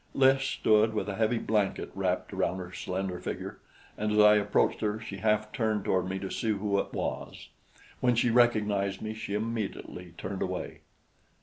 Lys stood with a heavy blanket wrapped around her slender figure, and as I approached her, she half turned toward me to see who it was. When she recognized me, she immediately turned away.